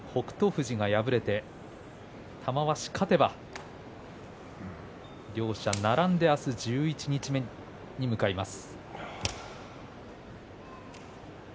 富士が敗れて玉鷲勝てば両者並んで明日、十一日目に向かいます。